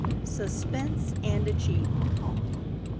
SUSPENSE AND ACHIEVEMENT.